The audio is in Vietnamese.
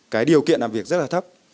cái điều kiện làm việc rất là thấp